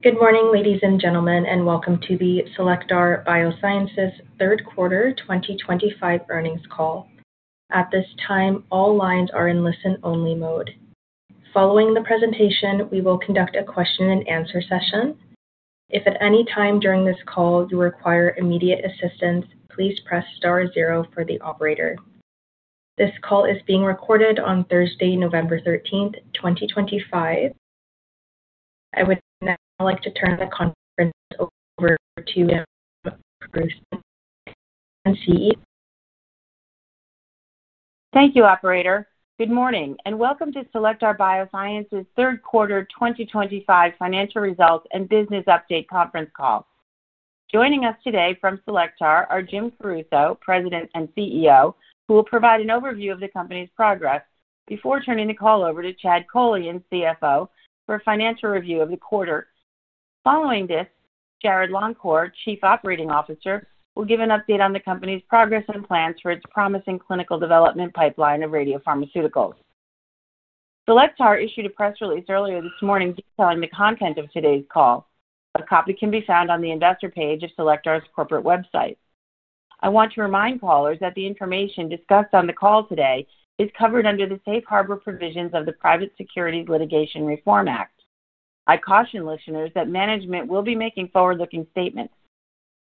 Good morning ladies and gentlemen and welcome to the Cellectar Biosciences' Third Quarter 2025 Earnings Call. At this time all lines are in listen only mode. Following the presentation, we will conduct a question and answer session. If at any time during this call you require immediate assistance, please press star zero for the operator. This call is being recorded on Thursday, November 13, 2025. I would now like to turn the conference over to Jim Caruso, CEO. Thank you operator. Good morning and welcome to Cellectar Biosciences' third quarter 2025 financial results and business update conference call. Joining us today from Cellectar are Jim Caruso, President and CEO, who will provide an overview of the company's progress before turning the call over to Chad Kolean, CFO, for a financial review of the quarter. Following this, Jarrod Longcor, Chief Operating Officer, will give an update on the company's progress and plans for its promising clinical development pipeline of radiopharmaceuticals. Cellectar issued a press release earlier this morning detailing the content of today's call. A copy can be found on the investor page of Cellectar's corporate website. I want to remind callers that the information discussed on the call today is covered under the safe harbor provisions of the Private Securities Litigation Reform Act. I caution listeners that management will be making forward looking statements.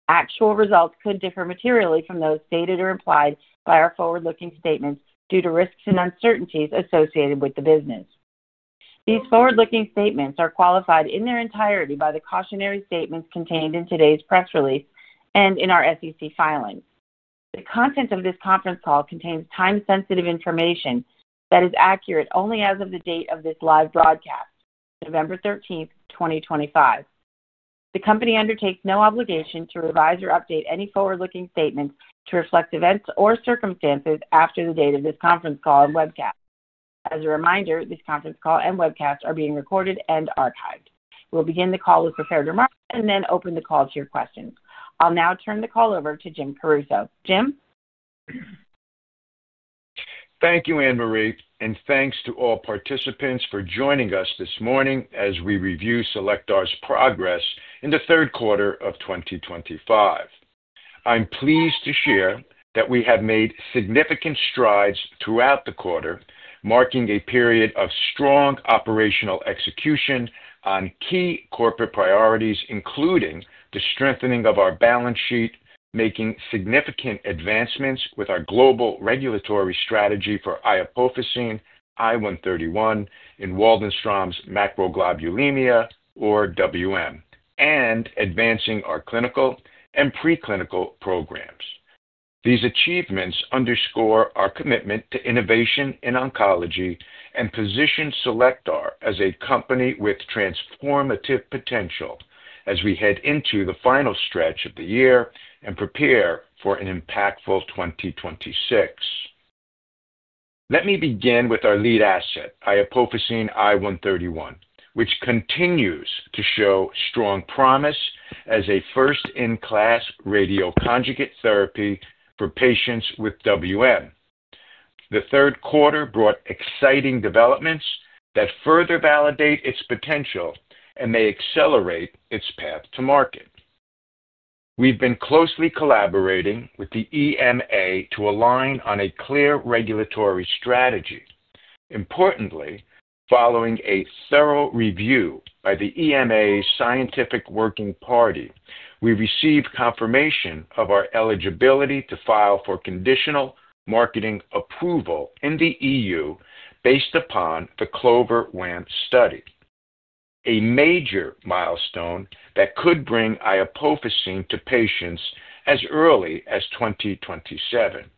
Actual results could differ materially from those stated or implied by our forward looking statements due to risks and uncertainties associated with the business. These forward looking statements are qualified in their entirety by the cautionary statements contained in today's press release and in our SEC filings. The content of this conference call contains time sensitive information that is accurate only as of the date of this live broadcast, November 13, 2025. The company undertakes no obligation to revise or update any forward looking statements to reflect events or circumstances after the date of this conference call and webcast. As a reminder, this conference call and webcast are being recorded and archived. We'll begin the call with prepared remarks and then open the call to your questions. I'll now turn the call over to Jim Caruso. Jim? Thank you Anne Marie and thanks to all participants for joining us this morning as we review Cellectar's progress in the third quarter of 2025. I'm pleased to share that we have made significant strides throughout the quarter, marking a period of strong operational execution on key corporate priorities, including the strengthening of our balance sheet, making significant advancements with our global regulatory strategy for Iopofosine I 131 in Waldenstrom’s macroglobulinemia or WM, and advancing our clinical and preclinical programs. These achievements underscore our commitment to innovation in oncology and position Cellectar as a company with transformative potential. As we head into the final stretch of the year and prepare for an impactful 2026, let me begin with our lead asset, iopofosine I 131, which continues to show strong promise as a first-in-class radioconjugate therapy for patients with WM. The third quarter brought exciting developments that further validate its potential and may accelerate its path to market. We've been closely collaborating with the EMA to align on a clear regulatory strategy. Importantly, following a thorough review by the EMA Scientific Working Party, we received confirmation of our eligibility to file for conditional marketing approval in the EU based upon the CLOVER-WaM study, a major milestone that could bring iopofosine to patients as early as 2027.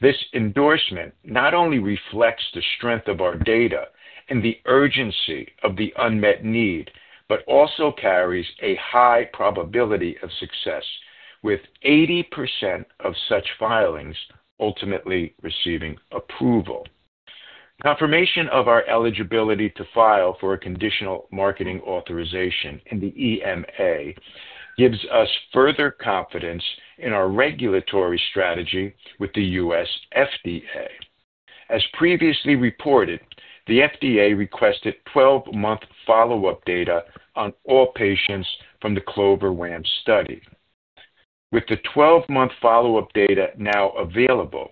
This endorsement not only reflects the strength of our data and the urgency of the unmet need, but also carries a high probability of success with 80% of such filings ultimately receiving approval. Confirmation of our eligibility to file for a conditional marketing authorization in the EMA gives us further confidence in our regulatory strategy with the U.S. FDA. As previously reported, the FDA requested 12 month follow up data on all patients from the CLOVER-WaM study. With the 12 month follow up data now available,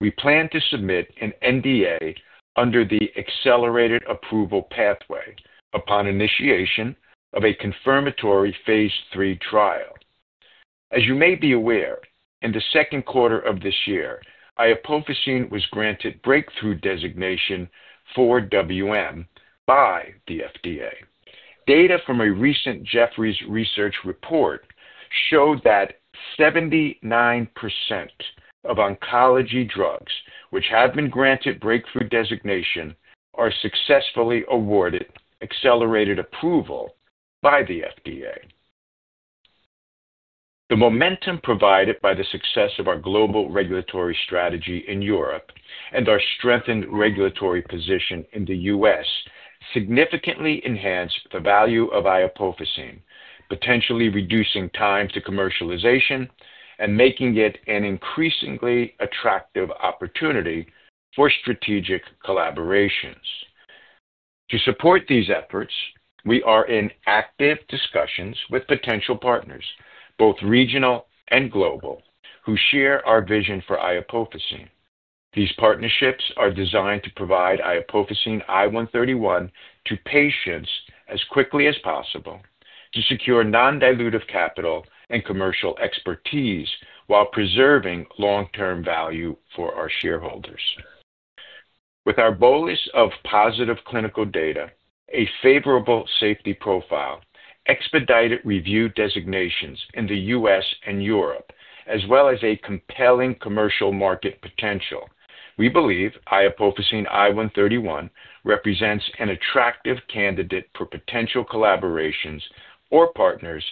we plan to submit an NDA under the accelerated approval pathway upon initiation of a confirmatory phase III trial. As you may be aware, in the second quarter of this year, iopofosine I 131 was granted Breakthrough Therapy Designation for WM by the FDA. Data from a recent Jefferies research report showed that 79% of oncology drugs which have been granted Breakthrough Therapy Designation are successfully awarded accelerated approval by the FDA. The momentum provided by the success of our global regulatory strategy in Europe and our strengthened regulatory position in the U.S. significantly enhanced the value of iopofosine I 131, potentially reducing time to commercialization and making it an increasingly attractive opportunity for strategic collaborations. To support these efforts, we are in active discussions with potential partners, both regional and global, who share our vision for iopofosine. These partnerships are designed to provide iopofosine I 131 to patients and as quickly as possible to secure non-dilutive capital and commercial expertise while preserving long-term value for our shareholders. With our bolus of positive clinical data, a favorable safety profile, expedited review designations in the U.S. and Europe, as well as a compelling commercial market potential, we believe iopofosine I 131 represents an attractive candidate for potential collaborations or partners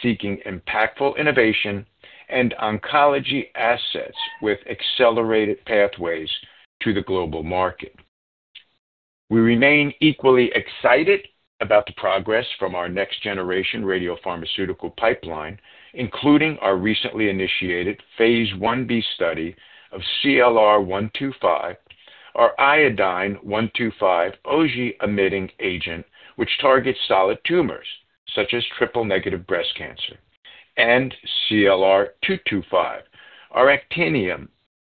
seeking impactful innovation and oncology assets with accelerated pathways to the global market. We remain equally excited about the progress from our next generation radiopharmaceutical pipeline, including our recently initiated phase 1b study of CLR 125, our iodine-125 auger-emitting agent which targets solid tumors such as triple negative breast cancer, and CLR 225, our actinium-225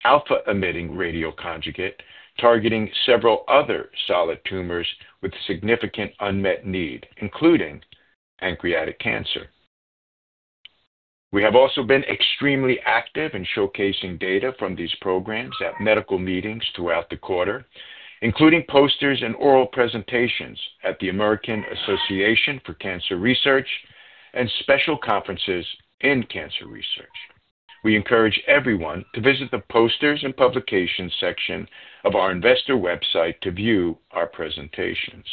alpha-emitting radioconjugate, targeting several other solid tumors with significant unmet need, including pancreatic cancer. We have also been extremely active in showcasing data from these programs at medical meetings throughout the quarter, including posters and oral presentations at the American Association for Cancer Research and Special Conferences in Cancer Research. We encourage everyone to visit the posters and publications section of our investor website to view our presentations.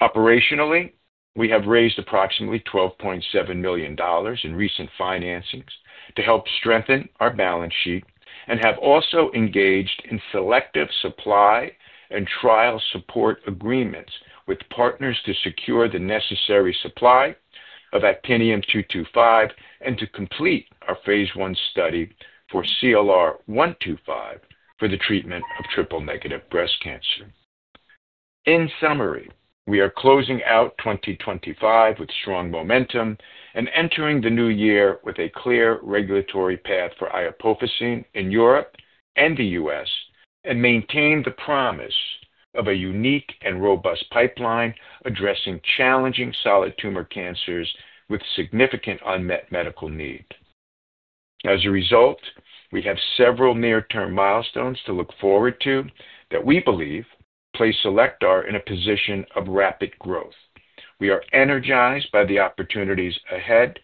Operationally, we have raised approximately $12.7 million in recent financings to help strengthen our balance sheet and have also engaged in selective supply and trial support agreements with partners to secure the necessary supply of actinium-225 and to complete our phase I study for CLR 125 for the treatment of triple negative breast cancer. In summary, we are closing out 2025 with strong momentum and entering the new year with a clear regulatory path for iopofosine in Europe and the U.S. and maintain the promise of a unique and robust pipeline addressing challenging solid tumor cancers with significant unmet medical need. As a result, we have several near-term milestones to look forward to that we believe place Cellectar in a position of rapid growth. We are energized by the opportunities ahead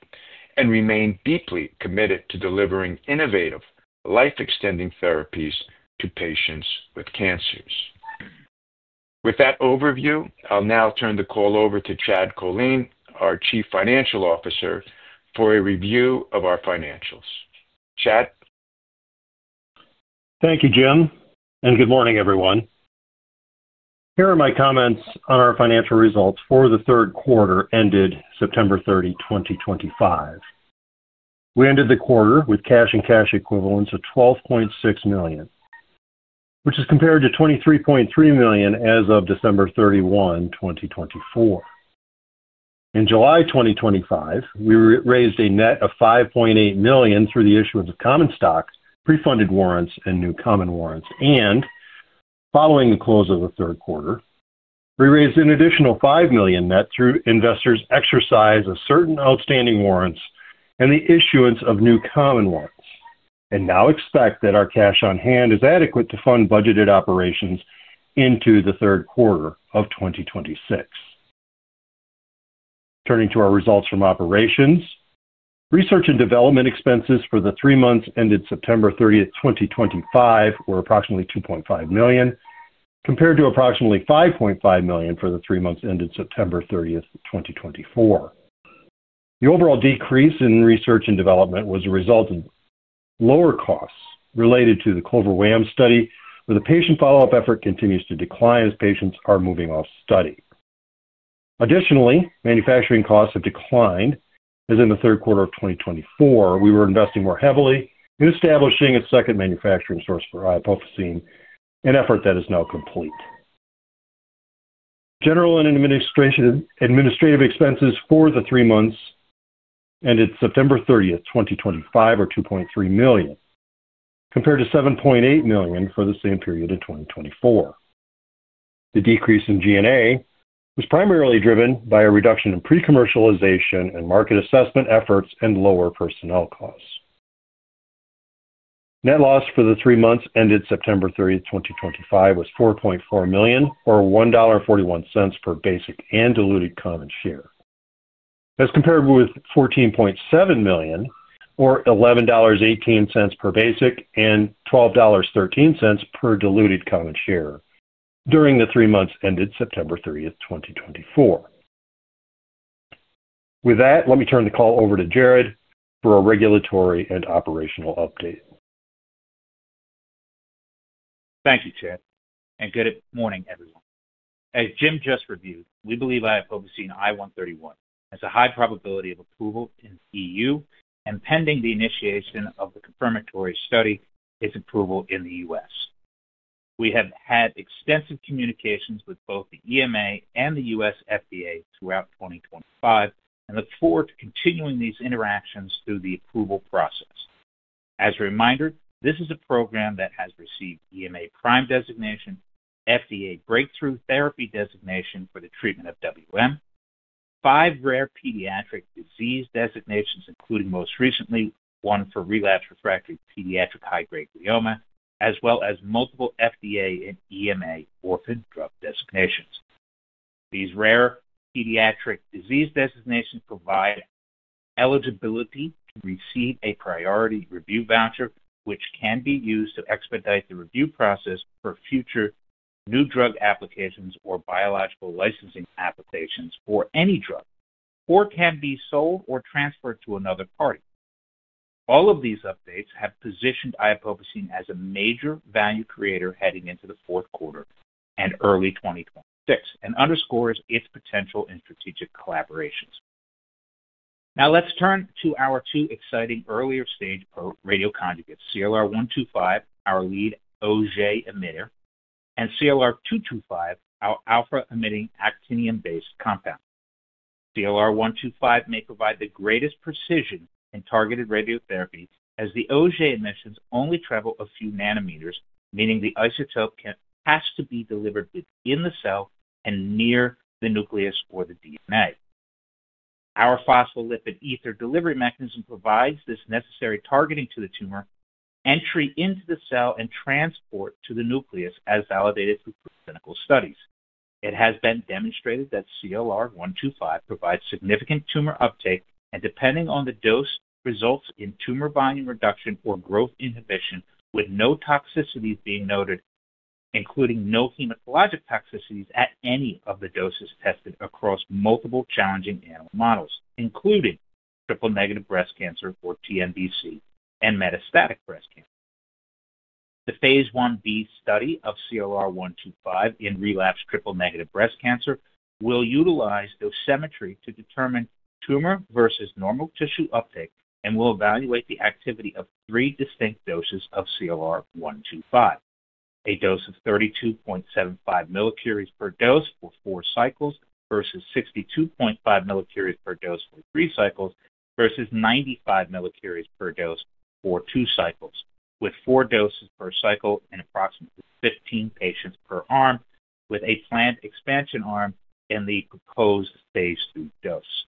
and remain deeply committed to delivering innovative life-extending therapies to patients with cancers. With that overview, I'll now turn the call over to Chad Kolean, our Chief Financial Officer, for a review of our financials. Chad? Thank you Jim and good morning everyone. Here are my comments on our financial results for the third quarter ended September 30, 2025. We ended the quarter with cash and cash equivalents of $12.6 million, which is compared to $23.3 million as of December 31, 2024. In July 2025 we raised a net of $5.8 million through the issuance of common stock, pre funded warrants and new common warrants and following the close of the third quarter we raised an additional $5 million net through investors' exercise of certain outstanding warrants and the issuance of new common warrants and now expect that our cash on hand is adequate to fund budgeted operations into the third quarter of 2026. Turning to our results from operations, research and development expenses for the three months ended September 30, 2025 were approximately $2.5 million compared to approximately $5.5 million for the three months ended September 30, 2024. The overall decrease in research and development was a result of lower costs related to the CLOVER-WaM study where the patient follow up effort continues to decline as patients are moving of study. Additionally, manufacturing costs have declined as in the third quarter of 2024, we were investing more heavily in establishing a second manufacturing source for iopofosine, an effort that is now complete. General and administrative expenses for the three months ended September 30, 2025 were $2.3 million, compared to $7.8 million for the same period in 2024. The decrease in G&A was primarily driven by a reduction in pre-commercialization and market assessment efforts and lower personnel costs. Net loss for the three months ended September 30, 2025 was $4.4 million or $1.41 per basic and diluted common share as compared with $14.7 million or $11.18 per basic and $12.13 per diluted common share during the three months ended September 30, 2024. With that, let me turn the call over to Jarrod for a regulatory and operational update. Thank you, Chad, and good morning, everyone. As Jim just reviewed, we believe iopofosine I 131 has a high probability of approval in Europe and, pending the initiation of the confirmatory study, its approval in the U.S.. We have had extensive communications with both the EMA and the U.S. FDA throughout 2025 and look forward to continuing these interactions through the approval process. As a reminder, this is a program that has received EMA Prime Designation, FDA Breakthrough Therapy Designation for the treatment of WM, five Rare Pediatric Disease Designations including most recently one for relapsed refractory pediatric high grade glioma, as well as multiple FDA and EMA Orphan Drug Designations. These rare pediatric disease designations provide eligibility to receive a priority review voucher which can be used to expedite the review process for future new drug applications or biological licensing applications for any drug or can be sold or transferred to another party. All of these updates have positioned iopofosine as a major value creator heading into the fourth quarter and early 2026 and underscores its potential in strategic collaborations. Now let's turn to our two exciting earlier stage radioconjugates, CLR 125, our lead auger emitter, and CLR 225, our alpha emitting actinium based compound. CLR 125 may provide the greatest precision in targeted radiotherapy as the auger emissions only travel a few nanometers, meaning the isotope has to be delivered within the cell and near the nucleus or the DNA. Our phospholipid ether delivery mechanism provides this necessary targeting to the tumor, entry into the cell and transport to the nucleus. As validated through clinical studies, it has been demonstrated that CLR 125 provides significant tumor uptake and depending on the dose results in tumor volume reduction or growth inhibition with no toxicities being noted, including no hematologic toxicities at any of the doses tested across multiple challenging animal models including triple negative breast cancer or TNBC and metastatic breast cancer. The phase 1b study of CLR 125 in relapsed triple negative breast cancer will utilize dosimetry to determine tumor versus normal tissue uptake and will evaluate the activity of three distinct doses of CLR 125, a dose of 32.75 millicuries per dose for four cycles versus 62.5 millicuries per dose for three cycles versus 95 millicuries per dose for two cycles. With four doses per cycle and approximately 15 patients per arm with a planned expansion arm and the proposed phase II dose.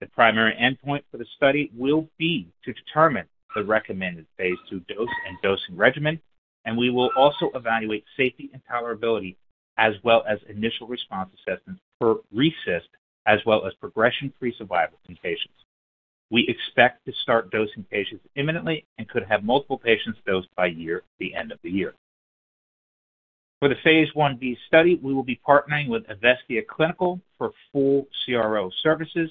The primary endpoint for the study will be to determine the recommended phase II dose and dosing regimen, and we will also evaluate safety and tolerability as well as initial response assessments per RECIST as well as progression-free survival in patients. We expect to start dosing patients imminently and could have multiple patients dosed by the end of the year. For the phase 1b study, we will be partnering with Evestia Clinical for full CRO services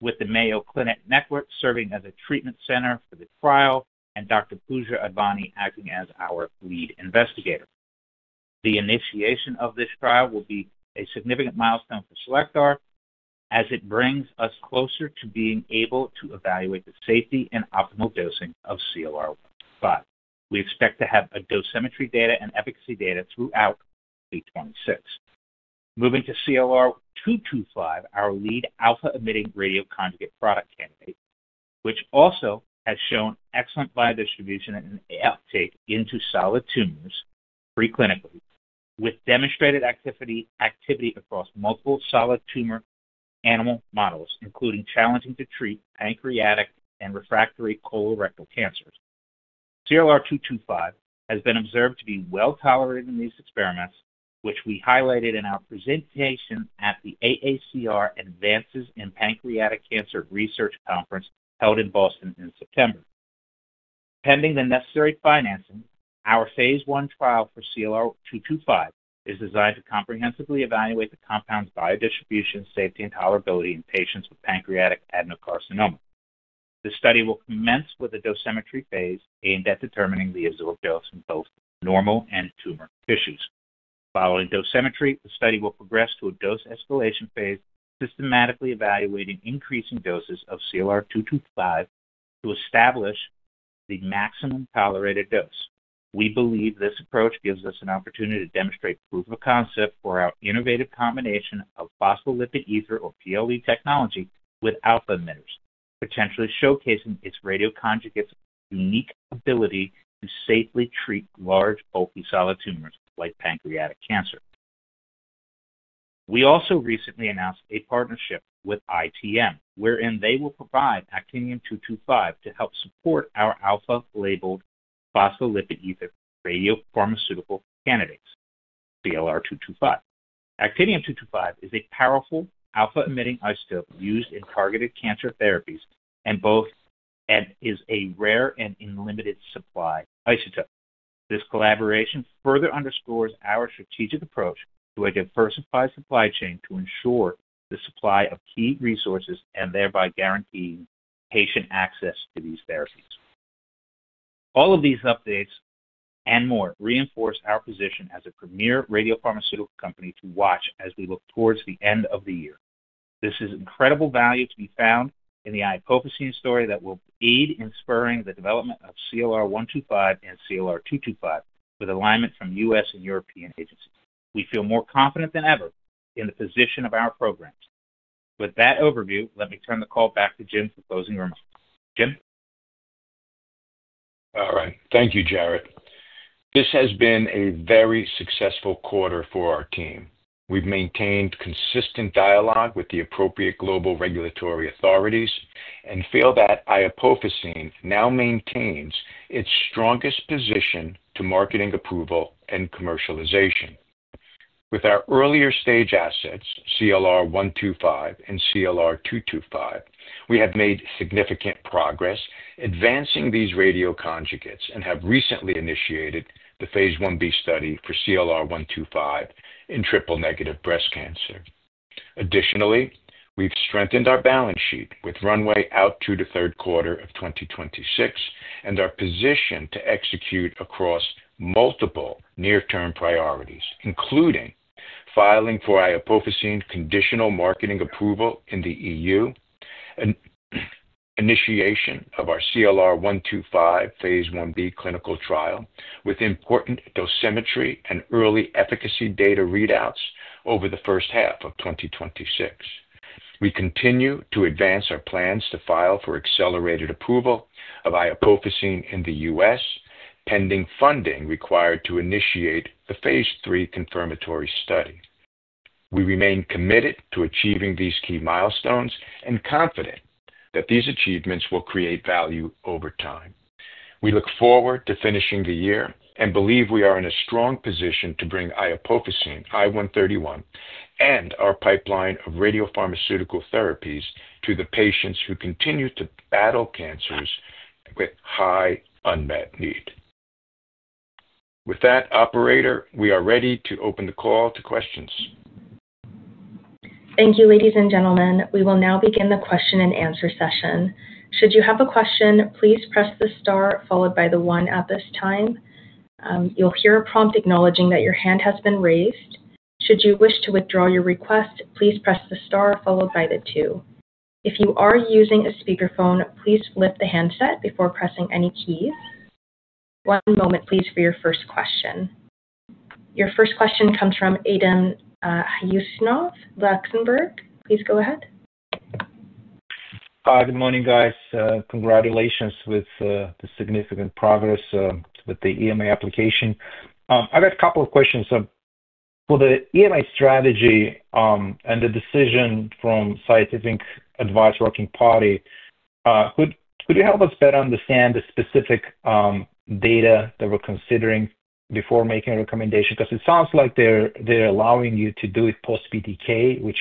with the Mayo Clinic Network serving as a treatment center for the trial and Dr. Pooja Advani acting as our lead investigator. The initiation of this trial will be a significant milestone for Cellectar as it brings us closer to being able to evaluate the safety and optimal dosing of CLR 125, but we expect to have dosimetry data and efficacy data throughout 2026. Moving to CLR 225, our lead alpha emitting radio conjugate product candidate, which also has shown excellent biodistribution and uptake into solid tumors preclinically with demonstrated activity across multiple solid tumor animal models including challenging to treat pancreatic and refractory colorectal cancers. CLR 225 has been observed to be well tolerated in these experiments which we highlighted in our presentation at the AACR Advances in Pancreatic Cancer Research Conference held in Boston in September. Pending the necessary financing, our phase I trial for CLR 225 is designed to comprehensively evaluate the compound's biodistribution, safety and tolerability in patients with pancreatic adenocarcinoma. The study will commence with a dosimetry phase aimed at determining the absorbed dose in both normal and tumor tissues. Following dosimetry, the study will progress to a dose escalation phase, systematically evaluating increasing doses of CLR 225 to establish the maximum tolerated dose. We believe this approach gives us an opportunity to demonstrate proof of concept for our innovative combination of phospholipid ether or PLE technology with alpha emitters, potentially showcasing its radioconjugate's unique ability to safely treat large bulky solid tumors like pancreatic cancer. We also recently announced a partnership with ITM wherein they will provide actinium-225 to help support our alpha-labeled phospholipid ether radiopharmaceutical candidates. CLR 225 actinium-225 is a powerful alpha-emitting isotope used in targeted cancer therapies and is a rare and in limited supply isotope. This collaboration further underscores our strategic approach to a diversified supply chain to ensure the supply of key resources and thereby guarantee patient access to these therapies. All of these updates and more reinforce our position as a premier radiopharmaceutical company to watch as we look towards the end of the year. There is incredible value to be found in the iopofosine story that will aid in spurring the development of CLR 125 and CLR 225. With alignment from U.S. and European agencies, we feel more confident than ever in the position of our programs. With that overview, let me turn the call back to Jim for closing remarks. Jim. All right, thank you Jarrod. This has been a very successful quarter for our team. We've maintained consistent dialogue with the appropriate global regulatory authorities and feel that iopofosine now maintains its strongest position to marketing approval and commercialization with our earlier stage assets CLR 125 and CLR 225. We have made significant progress advancing these radioconjugates and have recently initiated the phase 1b study for CLR 125 in triple negative breast cancer. Additionally, we've strengthened our balance sheet with runway out to the third quarter of 2026 and are positioned to execute across multiple near term priorities including filing for iopofosine conditional marketing approval in the EU, initiation of our CLR 125 phase 1b clinical trial with important dosimetry and early efficacy data readouts over the first half of 2026. We continue to advance our plans to file for accelerated approval of iopofosine in the U.S. pending funding required to initiate the phase III confirmatory study. We remain committed to achieving these key milestones and confident that these achievements will create value over time. We look forward to finishing the year and believe we are in a strong position to bring iopofosine I 131 and our pipeline of radiopharmaceutical therapies to the patients who continue to battle cancers with high unmet need. With that, operator, we are ready to open the call to questions. Thank you, ladies and gentlemen. We will now begin the question and answer session. Should you have a question, please press the star followed by the 1. At this time, you'll hear a prompt acknowledging that your hand has been raised. Should you wish to withdraw your request, please press the star followed by the 2. If you are using a speakerphone, please lift the handset before pressing any keys. One moment, please, for your first question. Your first question comes from Aydin Huseynov, Ladenburg. Please go ahead. Good morning guys. Congratulations with the significant progress with the EMA application. I got a couple of questions for the EMA strategy and the decision from Scientific Advice Working Party. Could you help us better understand the specific data that we're considering before making a recommendation? Because it sounds like they're allowing you to do it post-BTKi, which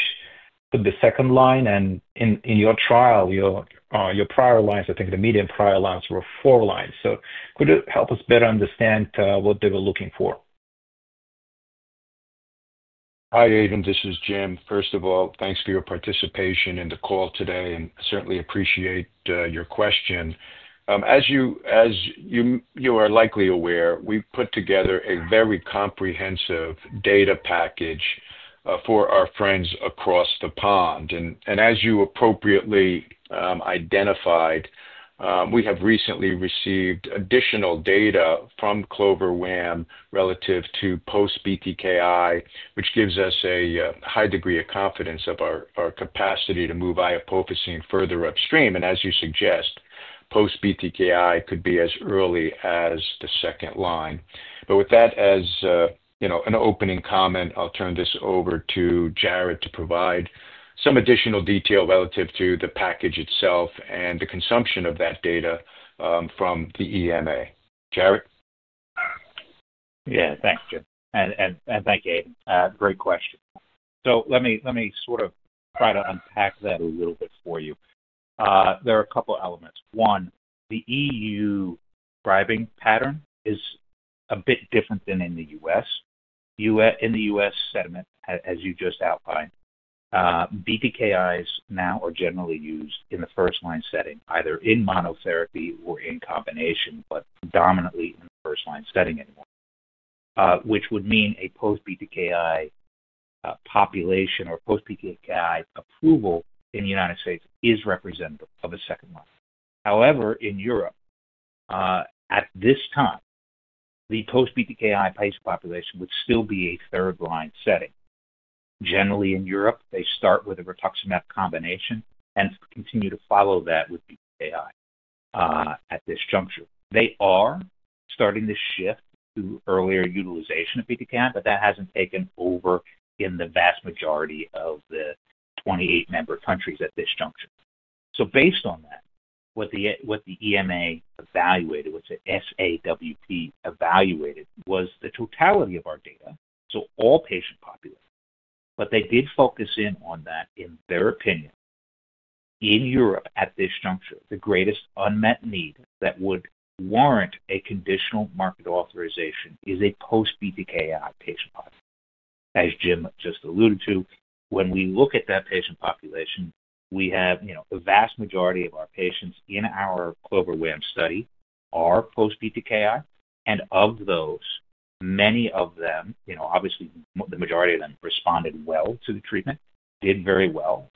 could be second line and in your trial your prior lines, I think the median prior lines were four lines. So could it help us better understand what they were looking for? Hi Aydin, this is Jim. First of all, thanks for your participation in the call today and certainly appreciate your question. As you are likely aware, we put together a very comprehensive data package for our friends across the pond and as you appropriately identified, we have recently received additional data from CLOVER-WaM relative to post-BTKi, which gives us a high degree of confidence of our capacity to move iopofosine further upstream. As you suggest, post-BTKi could be as early as the second line. With that as an opening comment, I'll turn this over to Jarrod to provide some additional detail relative to the package itself and the consumption of that data from the EMA. Jarrod? Yeah, thanks Jim, and thank you Aydin. Great question. Let me sort of try to unpack that a little bit for you. There are a couple elements. One, the EU bribing pattern is a bit different than in the U.S. In the U.S. sediment, as you just outlined, BTKis now are generally used in the first line setting, either in monotherapy or in combination, but predominantly in first line setting anymore, which would mean a post BTKi population or post BTKi approval in the United States is representative of a second line. However, in Europe at this time, the post BTKI patient population would still be a third line setting. Generally in Europe, they start with a rituximab combination and continue to follow that with BTKi. At this juncture, they are starting to shift to earlier utilization of BTKi, but that hasn't taken over in the vast majority of the 28 member countries at this juncture. Based on that, what the EMA evaluated, what the SAWP evaluated was the totality of our data. All patient population, but they did focus in on that. In their opinion, in Europe at this juncture, the greatest unmet need that would warrant a conditional market authorization is a post-BTKi patient. As Jim just alluded to, when we look at that patient population, we have the vast majority of our patients in our CLOVER-WaM study are post-BTKi. Of those, many of them, obviously the majority of them responded well to the treatment, did very well.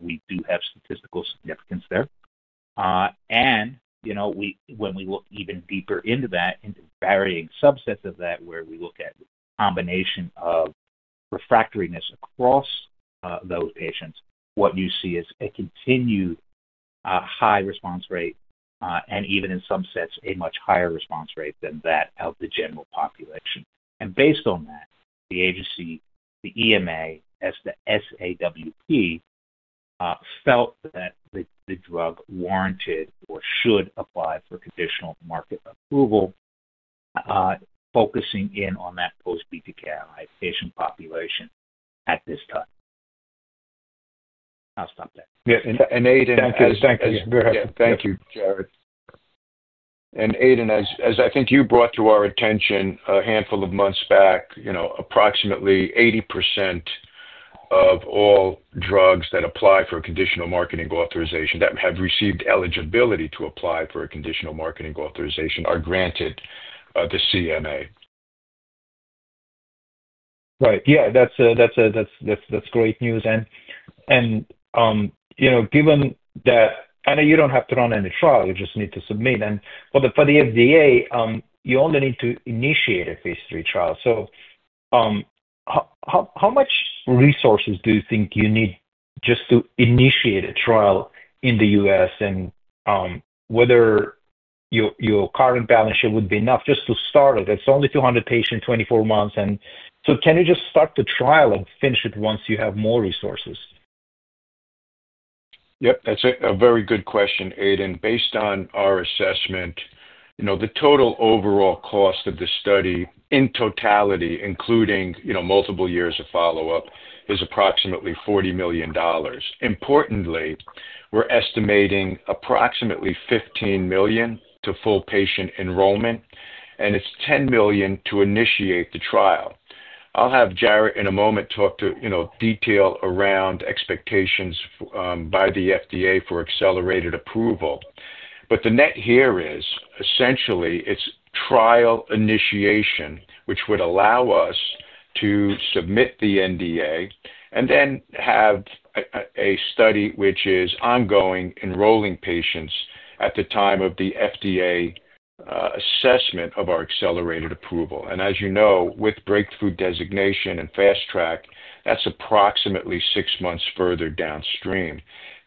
We do have statistical significance there. When we look even deeper into that, into varying subsets of that, where we look at combination of refractoriness across those patients, what you see is a continued high response rate and even in some sense a much higher response rate than that of the general population. Based on that, the agency, the EMA, as the SAWP, felt that the drug warranted or should apply for conditional market approval. Focusing in on that post-BTKi patient population at this time. I'll stop there. Yeah. Aydin, thank you. Thank you, Jarrod. Aydin, as I think you brought to our attention a handful of months back, you know, approximately 80% of all drugs that apply for conditional marketing authorization that have received eligibility to apply for a conditional marketing authorization are granted the CMA. Right? Yeah. That's great news. You know, given that you don't have to run any trial, you just need to submit. For the FDA, you only need to initiate a phase III trial. How much resources do you think you need just to initiate a trial in the U.S. and whether your current balance sheet would be enough just to start it? It's only 200 patients, 24 months. Can you just start the trial and finish it once you have more resources? Yep, that's a very good question, Aydin. Based on our assessment, you know, the total overall cost of the study in totality, including, you know, multiple years of follow up, is approximately $40 million. Importantly, we're estimating approximately $15 million to full patient enrollment and it's $10 million to initiate the trial. I'll have Jarrod in a moment talk to detail around expectations by the FDA for accelerated approval. The net here is essentially it's trial initiation which would allow us to submit the NDA and then have a study which is ongoing, enrolling patients at the time of the FDA assessment of our accelerated approval. As you know, with breakthrough designation and fast track, that's approximately six months further downstream.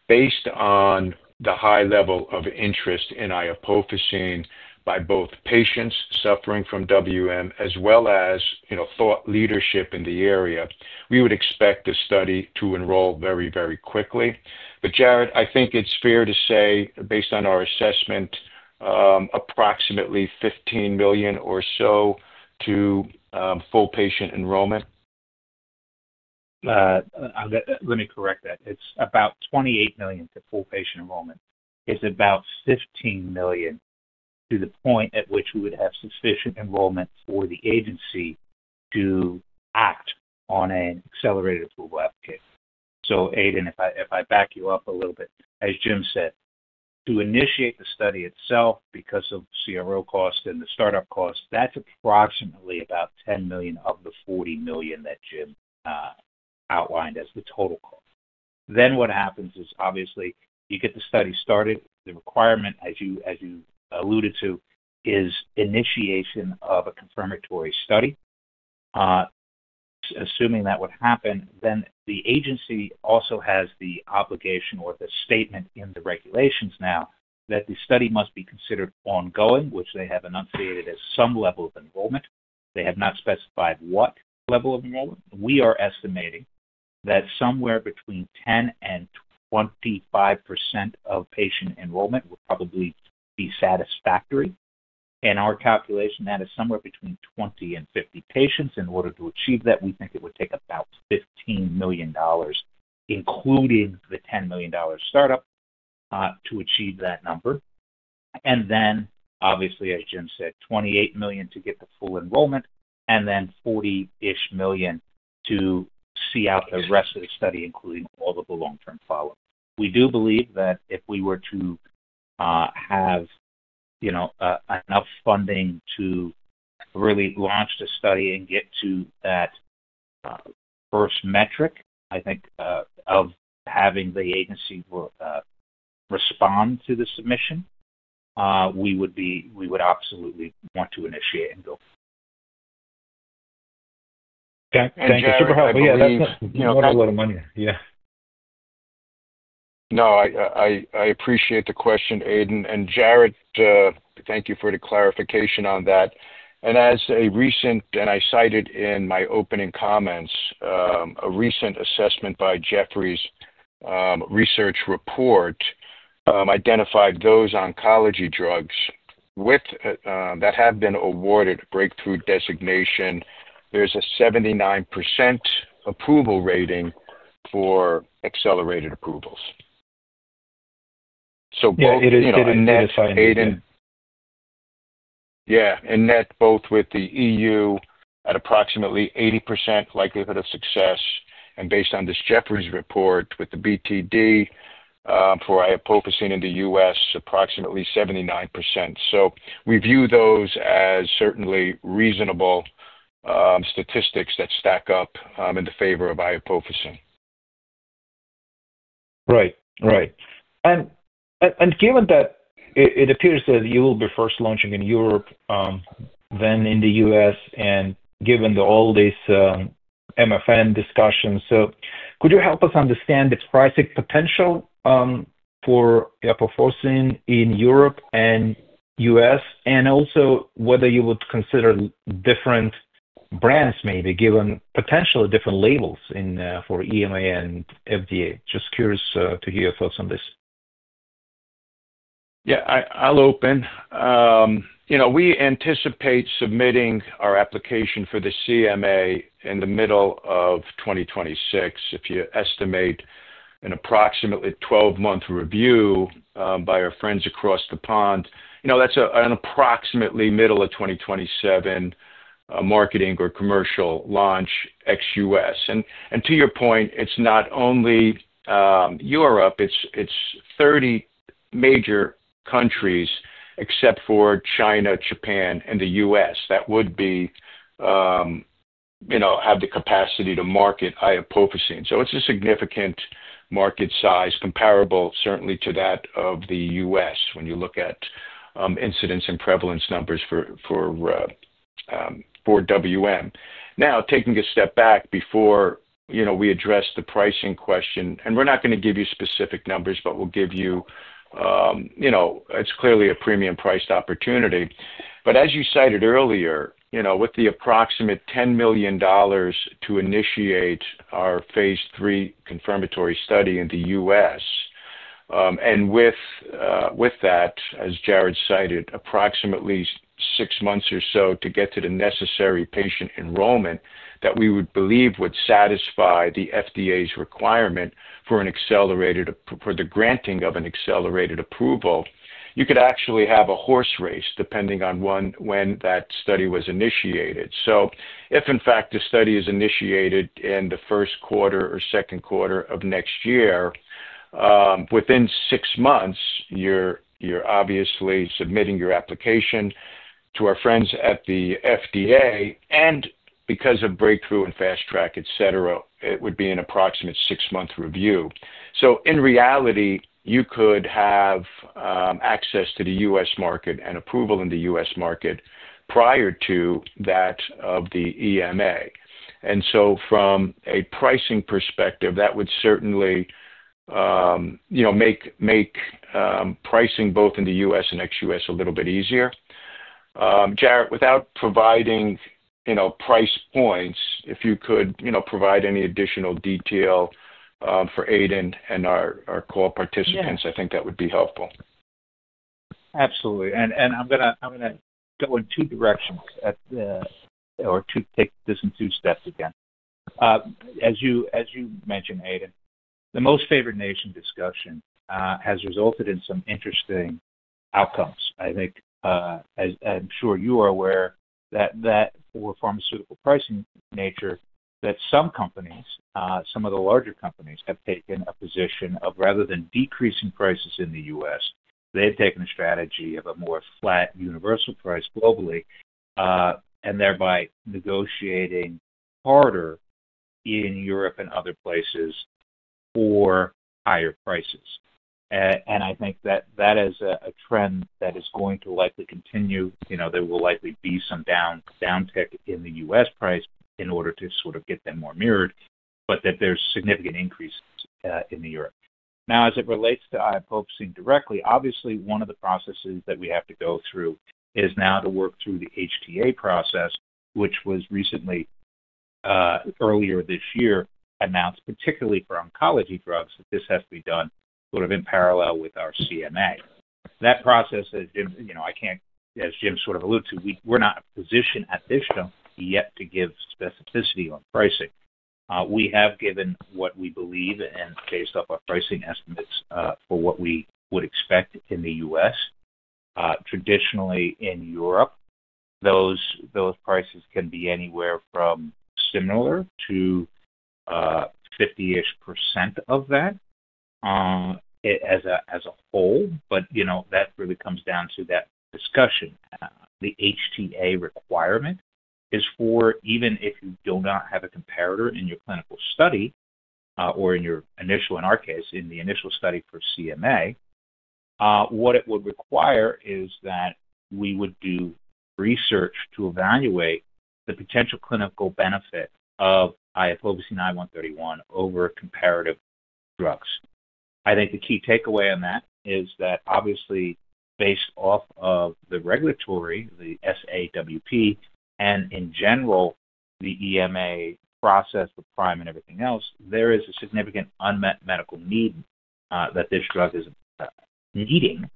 Based on the high level of interest in iopofosine by both patients suffering from WM as well as, you know, thought leadership in the area, we would expect the study to enroll very, very quickly. Jarrod, I think it's fair to say based on our assessment, approximately $15 million or so to full patient enrollment. Let me correct that. It's about $28 million to full patient enrollment. It's about $15 million to the point at which we would have sufficient enrollment for the agency to act on an accelerated approval application. Aydin, if I back you up a little bit, as Jim said, to initiate the study itself because of CRO cost and the startup cost, that's approximately about $10 million of the $40 million that Jim outlined as the total cost. What happens is obviously you get the study started. The requirement, as you alluded to, is initiation of a confirmatory study. Assuming that would happen, the agency also has the obligation or the statement in the regulations now that the study must be considered ongoing, which they have enunciated as some level of enrollment. They have not specified what level of enrollment. We are estimating that somewhere between 10% and 25% of patient enrollment will probably be satisfactory in our calculation, that is somewhere between 20 and 50 patients. In order to achieve that, we think it would take about $15 million, including the $10 million startup, to achieve that number. Obviously, as Jim said, $28 million to get the full enrollment and then $40 million to see out the rest of the study, including all of the long term follow up. We do believe that if we were to have enough funding to really launch the study and get to that first metric, I think of having the agency respond to the submission, we would absolutely want to initiate and go. Thank you. Super helpful. No, I appreciate the question. Aydin and Jarrod, thank you for the clarification on that. As a recent, and I cited in my opening comments, a recent assessment by Jefferies research report identified those oncology drugs that have been awarded breakthrough designation. There is a 79% approval rating for accelerated approvals. Both Aydin, yeah, and net both with the EU at approximately 80% likelihood of success. Based on this Jefferies report, with the BTD for iopofosine in the U.S., approximately 79%. We view those as certainly reasonable statistics that stack up in the favor of iopofosine. Right, right. Given that it appears that you will be first launching in Europe, then in the U.S., and given all these MFN discussions, could you help us understand its pricing potential for perforcing in Europe and U.S., and also whether you would consider different brands, maybe given potentially different labels for EMA and FDA? Just curious to hear your thoughts on this. Yeah, I'll open. You know, we anticipate submitting our application for the CMA in the middle of 2026. If you estimate an approximately 12-month review by our friends across the pond, you know, that's an approximately middle of 2027 marketing or commercial launch ex-U.S., and to your point, it's not only Europe, it's 30 major countries except for China, Japan, and the U.S. that would be, you know, have the capacity to market iopofosine. So it's a significant market size comparable certainly to that of the U.S. when you look at incidence and prevalence numbers for WM. Now taking a step back before, you know, we address the pricing question and we're not going to give you specific numbers, but we'll give you, you know, it's clearly a premium priced opportunity, but as you cited earlier, you know, with the approximate $10 million to initiate our phase III confirmatory study in the U.S. and with, with that, as Jarrod cited, approximately 6 months or so to get to the necessary patient enrollment that we would believe would satisfy the FDA's requirement for an accelerated, for the granting of an accelerated approval, you could actually have a horse race depending on when that study was initiated. If in fact the study is initiated in the first quarter or second quarter of next year, within 6 months, you're obviously submitting your application to our friends at the FDA. Because of breakthrough and fast track, et cetera, it would be an approximate six month review. In reality you could have access to the U.S. market and approval in the U.S. market prior to that of the EMA. From a pricing perspective, that would certainly make pricing both in the U.S. and ex U.S. a little bit easier. Jarrod, without providing price points, if you could provide any additional detail for Aydin and our core participants, I think that would be helpful. Absolutely. I'm going to go in two directions or take this in two steps. Again, as you mentioned, Aydin, the most favored nation discussion has resulted in some interesting, I think, as I'm sure you are aware, that for pharmaceutical pricing nature that some companies, some of the larger companies have taken a position of rather than decreasing prices in the U.S. they've taken a strategy of a more flat universal price globally and thereby negotiating harder in Europe and other places for higher prices. I think that that is a trend that is going to likely continue. You know, there will likely be some downtick in the U.S. price in order to sort of get them more mirrored. But that there's significant increases in Europe now as it relates to iopofosine directly. Obviously one of the processes that we have to go through is now to work through the HTA process, which was recently, earlier this year announced, particularly for oncology drugs, that this has to be done sort of in parallel with our CMA. That process. As Jim, you know, I can't, as Jim sort of alluded to, we're not positioned at this juncture yet to give specificity on pricing. We have given what we believe and based off our pricing estimates for what we would expect in the U.S. Traditionally in Europe those prices can be anywhere from similar to 50% of that as a whole. You know, that really comes down to that discussion. The HTA requirement is for even if you do not have a comparator in your clinical study or in your initial, in our case, in the initial study for CMA, what it would require is that we would do research to evaluate the potential clinical benefit of iopofosine I 131 over comparative drugs. I think the key takeaway on that is that obviously based off of the regulatory, the SAWP and in general the EMA process with PRIME and everything else, there is a significant unmet medical need that this drug is needing.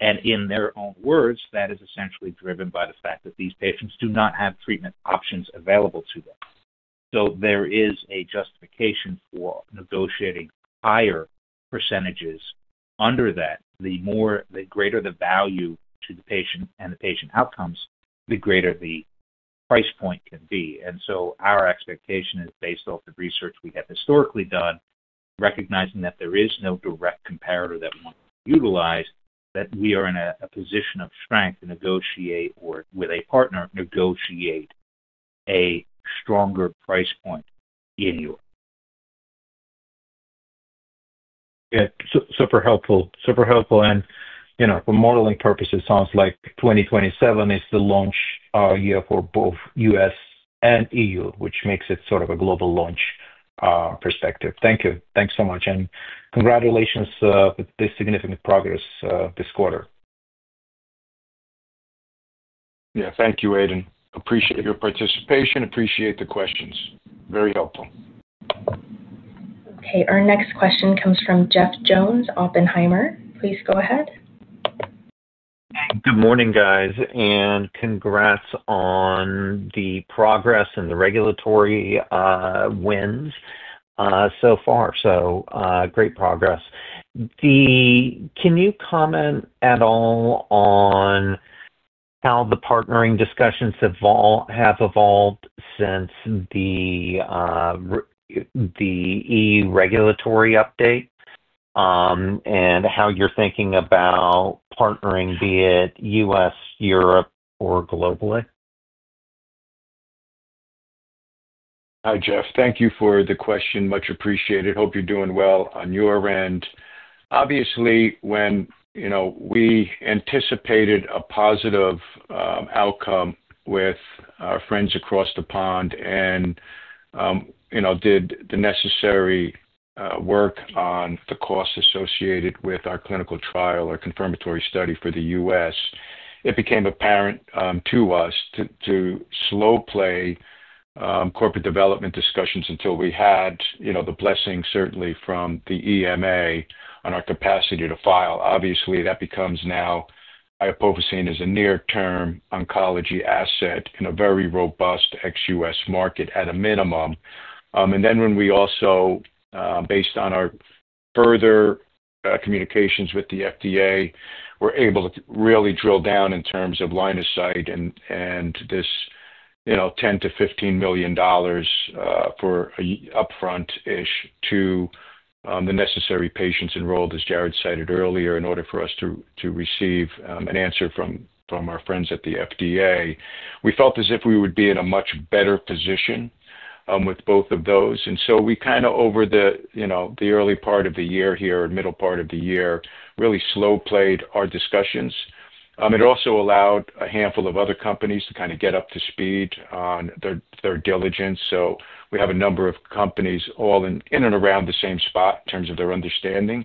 In their own words, that is essentially driven by the fact that these patients do not have treatment options available to them. There is a justification for negotiating higher percentages under that the more, the greater the value to the patient and the patient outcomes, the greater the price point can be. Our expectation is based off the research we have historically done, recognizing that there is no direct comparator that wants to utilize, that we are in a position of strength to negotiate or with a partner, negotiate a stronger price point in Europe. Yeah, super helpful, super helpful. You know, for modeling purposes, sounds like 2027 is the launch year for both U.S. and EU, which makes.It is sort of a global launch perspective. Thank you. Thanks so much and congratulations with this significant progress this quarter. Yeah, thank you, Aydin. Appreciate your participation. Appreciate the questions, very helpful. Okay, our next question comes from Jeff Jones, Oppenheimer. Please go ahead. Good morning, guys, and congrats on the progress and the regulatory wins so far. Great progress. Can you comment at all on how the partnering discussions have evolved since the EU regulatory update and how you're thinking about partnering, be it U.S., Europe, or globally? Hi, Jeff, thank you for the question. Much appreciated. Hope you're doing well on your end. Obviously, when, you know, we anticipated a positive outcome with our friends across the pond and, you know, did the necessary work on the costs associated with our clinical trial or confirmatory study for the U.S. it became apparent to us to slow play corporate development discussions until we had, you know, the blessing, certainly from the EMA on our capacity to file. Obviously that becomes now iopofosine as a near term oncology asset in a very robust ex U.S. market at a minimum. And then when we also, based on our further communications with the FDA, were able to really drill down in terms of line of sight and this, you know, $10 million-15 million for upfront ish to the necessary patients enrolled. As Jarrod cited earlier, in order for us to receive an answer from our friends at the FDA, we felt as if we would be in a much better position with both of those. We kind of, over the, you know, the early part of the year here, middle part of the year, really slow played our discussions. It also allowed a handful of other companies to kind of get up to speed on their diligence. We have a number of companies all in and around the same spot in terms of their understanding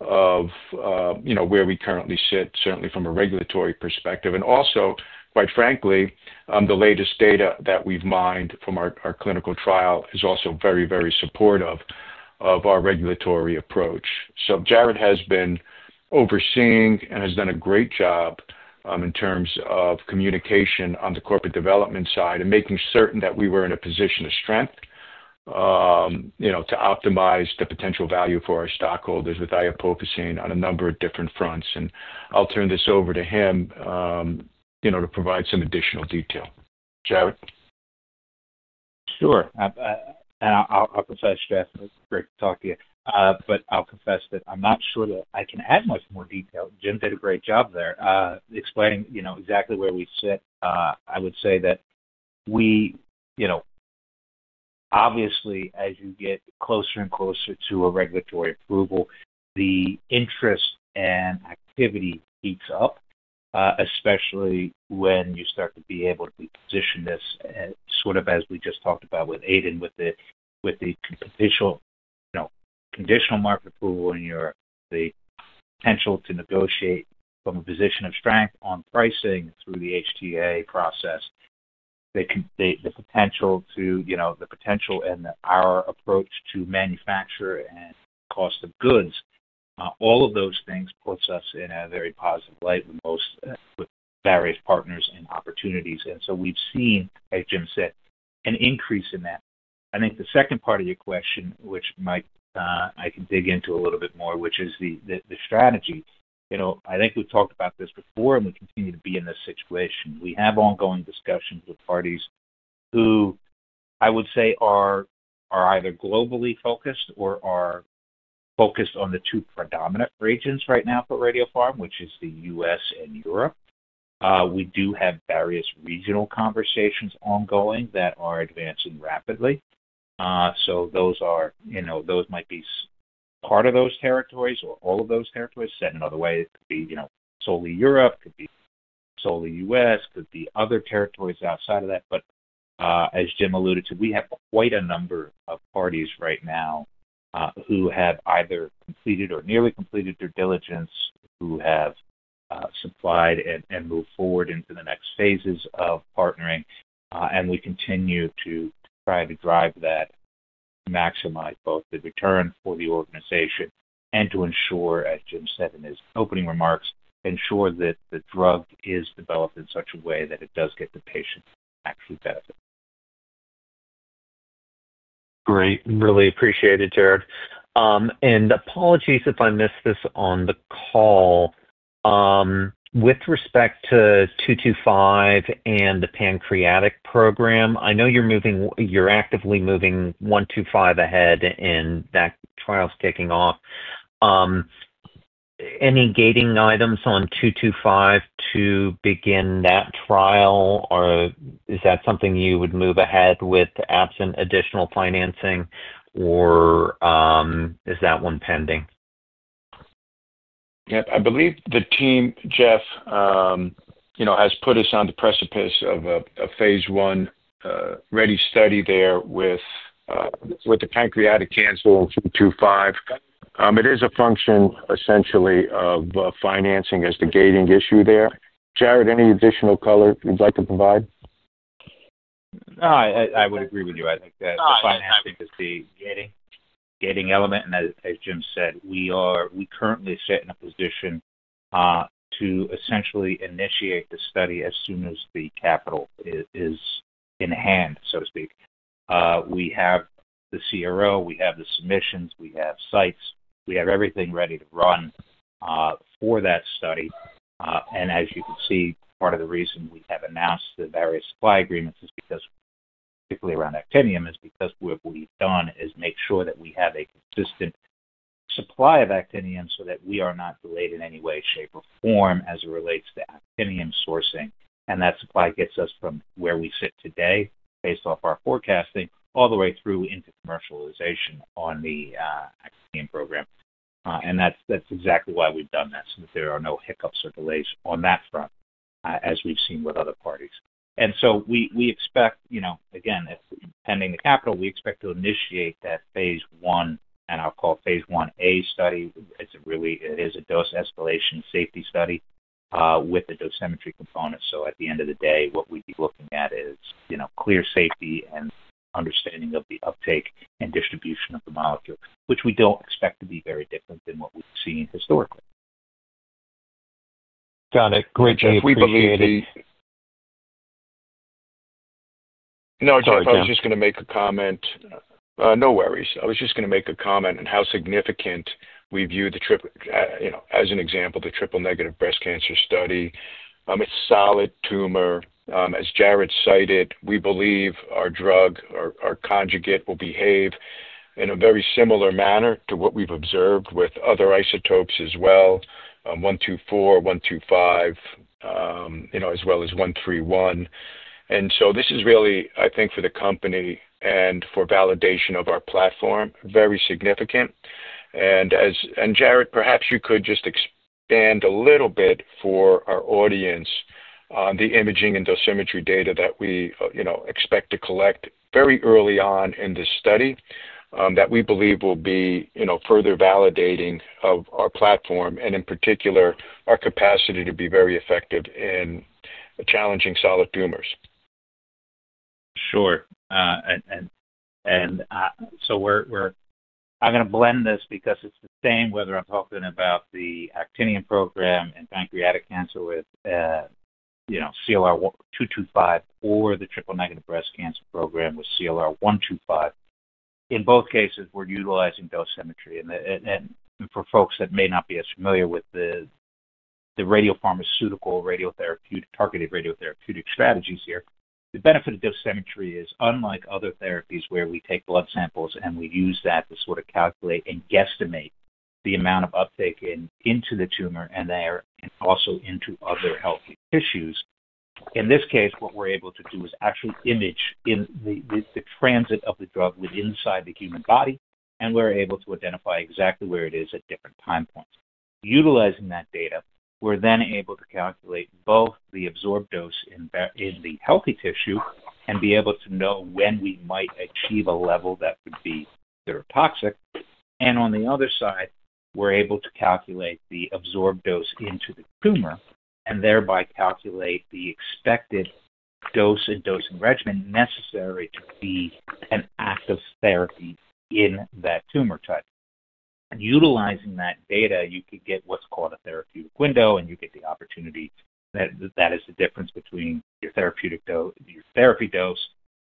of where we currently sit, certainly from a regulatory perspective. Quite frankly, the latest data that we've mined from our clinical trial is also very, very supportive of our regulatory approach. Jarrod has been overseeing and has done a great job in terms of communication on the corporate development side and making certain that we were in a position of strength, you know, to optimize the potential value for our stockholders with iopofosine on a number of different fronts. I'll turn this over to him, you know, to provide some additional detail. Jarrod? Sure. I'll confess, Jeff, great to talk to you, but I'll confess that I'm not sure that I can add much more detail. Jim did a great job there explaining, you know, exactly where we sit. I would say that we, you know, obviously as you get closer and closer to a regulatory approval, the interest and activity heats up, especially when you start to be able to position this sort of, as we just talked about with Aydin, with the conditional market approval in Europe, the potential to negotiate from a position of strength on pricing through the HTA process, the potential to, you know, the potential. And our approach to manufacture and cost of goods, all of those things puts us in a very positive light with most, with various partners and opportunities. We've seen, as Jim said, an increase in that. I think the second part of your question, which I can dig into a little bit more, which is the strategy, I think we've talked about this before and we continue to be in this situation. We have ongoing discussions with parties who I would say are either globally focused or are focused on the two predominant regions right now for radiopharm, which is the U.S. and Europe. We do have various regional conversations ongoing that are advancing rapidly. Those are, you know, those might be part of those territories or all of those territories. Said another way, you know, solely Europe could be solely U.S., could be other territories outside of that. As Jim alluded to, we have quite a number of parties right now who have either completed or nearly completed due diligence, who have supplied and move forward into the next phases of partnering. We continue to try to drive that, maximize both the return for the organization and to ensure, as Jim said in his opening remarks, ensure that the drug is developed in such a way that it does get the patient actually benefit. Great. Really appreciate it, Jarrod. Apologies if I missed this on the call. With respect to 225 and the pancreatic program, I know you're moving, you're actively moving 125 ahead and that trial's kicking off. Any gating items on 225 to begin that trial, or is that something you would move ahead with absent additional financing, or is that one pending? Yeah, I believe the team, Jeff, you know, has put us on the precipice of a phase I ready study there with the pancreatic cancer 225. It is a function essentially of financing as the gating issue there. Jarrod, any additional color you'd like to provide? I would agree with you. I think that the financing is the gating element. As Jim said, we currently sit in a position to essentially initiate the study as soon as the capital is in hand, so to speak. We have the CRO, we have the submissions, we have sites, we have everything ready to run for that study. Part of the reason we have announced the various supply agreements is because, particularly around actinium, what we have done is make sure that we have a consistent supply of actinium so that we are not delayed in any way, shape or form as it relates to actinium sourcing. That supply gets us from where we sit today, based off our forecasting, all the way through into commercialization on the actinium program. That is exactly why we've done that, so that there are no hiccups or delays on that front, as we've seen with other parties. We expect, you know, again, pending the capital, we expect to initiate that phase I. I'll call phase 1a study. It is a dose escalation safety study with the dosimetry components. At the end of the day, what we'd be looking at is, you know, clear safety and understanding of the uptake and distribution of the molecule, which we don't expect to be very different than what we've seen historically. Got it. Great. James. No, I was just going to make a comment. No worries. I was just going to make a comment on how significant we view the trip. You know, as an example, the triple negative breast cancer study, it is solid tumor, as Jarrod cited. We believe our drug, or conjugate, will behave in a very similar manner to what we have observed with other isotopes as well, 124-125, as well as 131. This is really, I think, for the company and for validation of our platform, very significant. Jarrod, perhaps you could just expand a little bit for our audience. The imaging and dosimetry data that we expect to collect very early on in this study, that we believe will be, you know, further validating of our platform and in particular, our capacity to be very effective in challenging solid tumors. Sure. I'm going to blend this because it's the same whether I'm talking about the actinium program and pancreatic cancer with, you know, CLR 225 or the triple negative breast cancer program with CLR 125. In both cases, we're utilizing dosimetry. For folks that may not be as familiar with the radiopharmaceutical radiotherapeutic, targeted radiotherapeutic strategies here, the benefit of dosimetry is, unlike other therapies, where we take blood samples and we use that to sort of calculate and guesstimate the amount of uptake into the tumor and also into other healthy tissues. In this case, what we're able to do is actually image the transit of the drug inside the human body and we're able to identify exactly where it is at different time points. Utilizing that data, we're then able to calculate both the absorbed dose in the healthy tissue and be able to know when we might achieve a level that would be neurotoxic. On the other side, we're able to calculate the absorbed dose into the tumor and thereby calculate the expected dose and dosing regimen necessary to be an active therapy in that tumor type. Utilizing that data, you could get what's called a therapeutic window. You get the opportunity that that is the difference between your therapeutic dose, your therapy dose,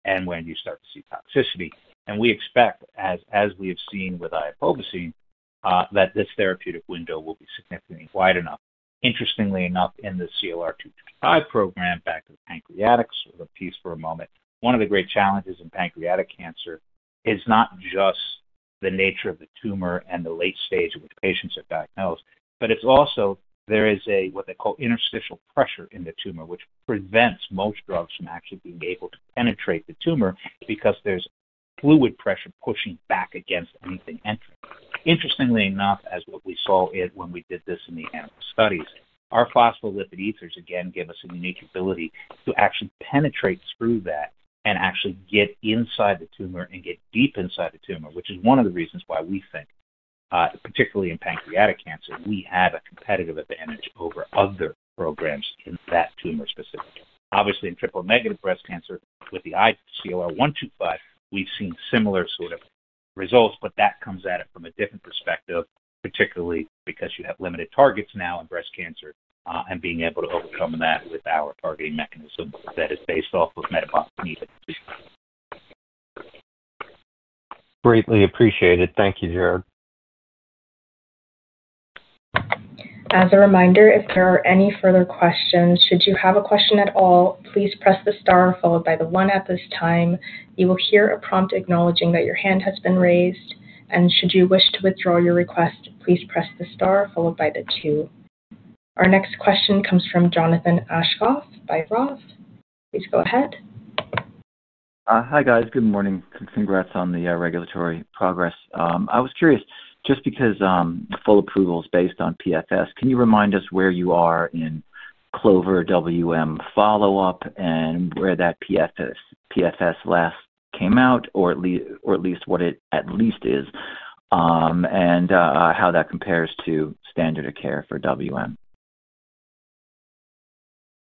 and when you start to see toxicity. We expect, as we have seen with iopofosine, that this therapeutic window will be significantly wide enough, interestingly enough, in the CLR 225 program. Back to the pancreatics for a moment. One of the great challenges in pancreatic cancer is not just the nature of the tumor and the late stage which patients are diagnosed, but it's also, there is a, what they call interstitial pressure in the tumor which prevents most drugs from actually being able to penetrate the tumor because there's fluid pressure pushing back against anything entering. Interestingly enough, as what we saw when we did this in the animal studies, our phospholipid ethers, again, give us a unique ability to actually penetrate through that and actually get inside the tumor and get deep inside the tumor, which is one of the reasons why we think, particularly in pancreatic cancer, we have a competitive advantage over other programs in that tumor. Specifically, obviously, in triple negative breast cancer with the CLR 125, we've seen similar sort of results, but that comes at it from a different perspective, particularly because you have limited targets now in breast cancer and being able to overcome that with our targeting mechanism that is based off of metabolic need. Greatly appreciated. Thank you, Jarrod. As a reminder, if there are any further questions, should you have a question, if you have a question at all, please press the star followed by the 1. At this time, you will hear a prompt acknowledging that your hand has been raised. Should you wish to withdraw your request, please press the star followed by the 2. Our next question comes from Jonathan Aschoff by ROTH, please go ahead. Hi, guys. Good morning. Congrats on the regulatory progress. I was curious, just because full approval is based on PFS, can you remind us where you are in CLOVER-WaM follow up and where that PFS last came out or at least, or at least what it at least is, and how that compares to standard of care for WM.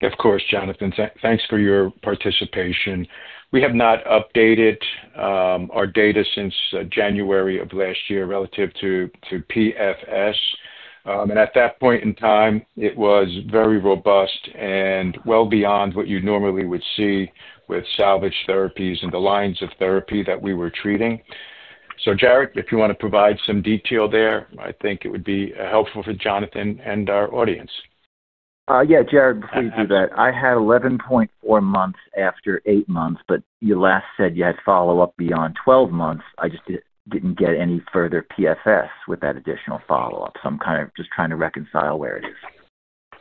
Of course. Jonathan, thanks for your participation. We have not updated our data since January of last year relative to PFS and at that point in time it was very robust and well beyond what you normally would see with salvage therapies and the lines of therapy that we were treating. Jarrod, if you want to provide some detail there, I think it would be helpful for Jonathan and our audience. Yeah, Jarrod, before you do that, I had 11.4 months after eight months. But you last said you had follow up beyond 12 months. I just did. Didn't get any further PFS with that additional follow up. So I'm kind of just trying to reconcile where it is.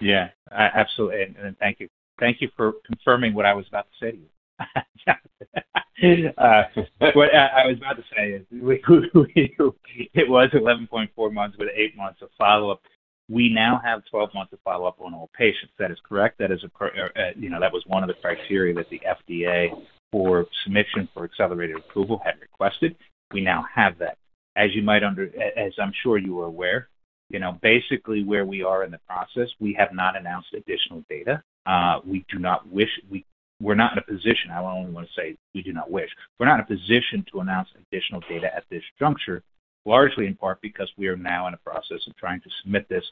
Yeah, absolutely. Thank you. Thank you for confirming what I was about to say to you. What I was about to say is it was 11.4 months with 8 months of follow up. We now have 12 months of follow up on all patients. That is correct. That is, you know, that was one of the criteria that the FDA for submission for accelerated approval had requested. We now have that. As you might under, as I'm sure you are aware, you know, basically where we are in the process, we have not announced additional data. We do not wish. We. We're not in a position. I only want to say we do not wish. We're not in a position to announce additional data at this juncture, largely in part because we are now in a process of trying to submit this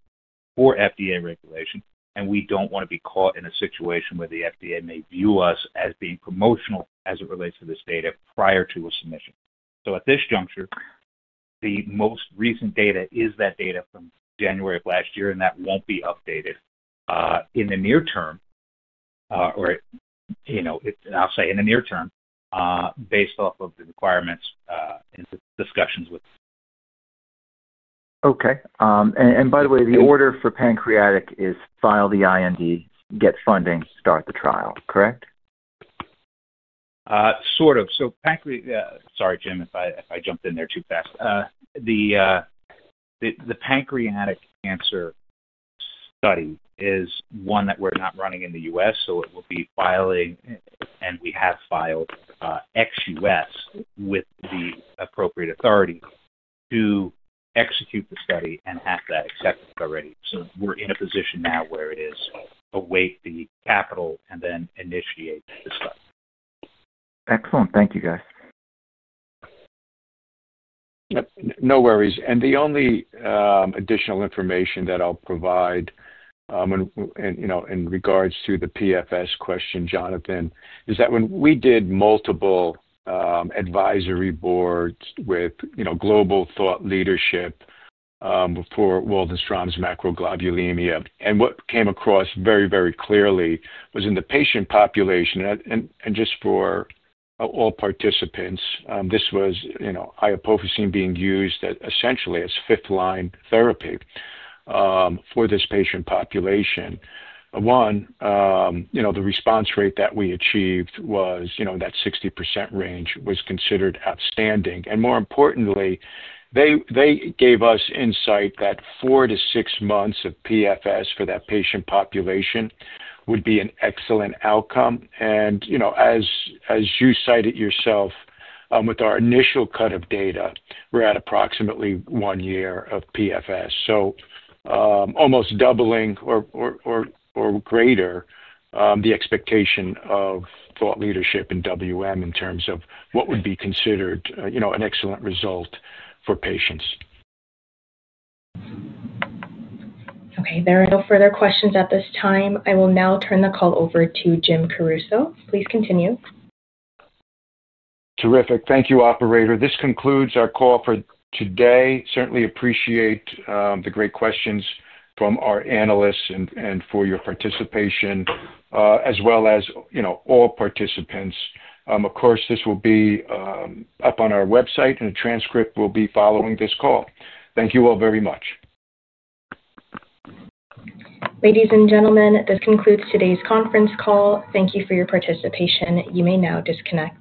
for FDA regulation and we don't want to be caught in a situation where the FDA may view us as being promoted as it relates to this data prior to a submission. At this juncture, the most recent data is that data from January of last year and that won't be updated in the near term or, you know, I'll say in the near term based off of the requirements and discussions with. Okay. By the way, the order for pancreatic is file the indicator, get funding, start the trial. Correct? Sort of. Sorry, Jim, if I jumped in there too fast. The pancreatic cancer study is one that we're not running in the U.S. It will be filing, and we have filed ex-U.S. with the appropriate authority to execute the study and have that accepted already. We're in a position now where it is await the capital and then initiate the study. Excellent. Thank you, guys. No worries. The only additional information that I'll Provide.In regards to the PFS question, Jonathan, is that when we did multiple advisory boards with global thought leadership for Waldenstrom's macroglobulinemia, what came across very, very clearly was in the patient population and just for all participants, this was, you know, iopofosine being used essentially as fifth line therapy for this patient population. One, you know, the response rate that we achieved was, you know, that 60% range was considered outstanding. More importantly, they gave us insight that four to six months of PFS for that patient population would be an excellent outcome. You know, as you cite it yourself, with our initial cut of data, we're at approximately one year of PFS, so almost doubling or greater the expectation of thought leadership in WM in terms of what would be considered, you know, an excellent result for patients. Okay. There are no further questions at this time. I will now turn the call over to Jim Caruso. Please continue. Terrific. Thank you. Operator. This concludes our call for today. Certainly appreciate the great questions from our analysts and for your participation as well as, you know, all participants, of course. This will be up on our website and a transcript will be following this call. Thank you all very much. Ladies and gentlemen, this concludes today's conference call. Thank you for your participation. You may now disconnect.